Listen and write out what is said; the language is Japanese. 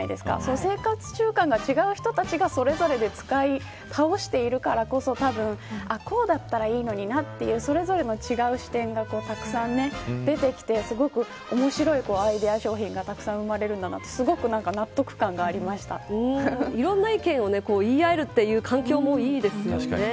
生活習慣が違う人たちがそれぞれで使い倒しているからこそたぶん、こうだったらいいのになというそれぞれの違う視点がたくさん出てきてすごく、面白いアイデア商品がたくさん生まれるんだなといろんな意見を言い合えるという環境もいいですよね。